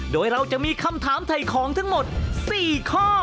โดยจะมีคำถามไถของทั้งหมด๔ข้อ